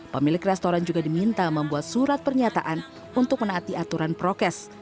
pemilik restoran juga diminta membuat surat pernyataan untuk menaati aturan prokes